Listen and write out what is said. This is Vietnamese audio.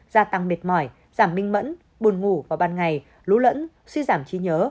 gia tăng mệt mỏi giảm minh mẫn buồn ngủ vào ban ngày lũ lẫn suy giảm trí nhớ